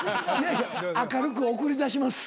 明るく送り出します。